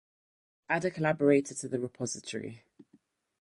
Add a collaborator to the repository.